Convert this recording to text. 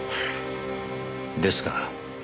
ですが。